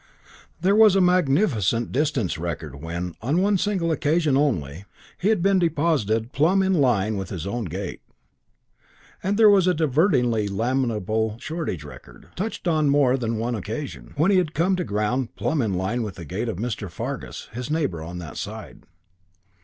There was a magnificent distance record when, on one single occasion only, he had been deposited plumb in line with his own gate; and there was a divertingly lamentable shortage record, touched on more than one occasion, when he had come to ground plumb in line with the gate of Mr. Fargus, his neighbour on that side.